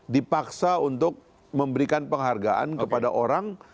dipaksa untuk memberikan penghargaan kepada orang